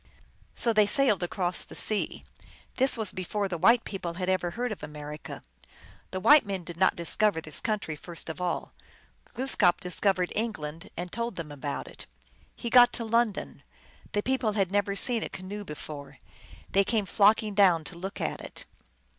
So they sailed across the sea. This was before the white people had ever heard of America. The white men did not discover this country first at all. Gloos kap discovered England, and told them about it. He got to London. The people had never seen a canoe before. They came flocking down to look at it.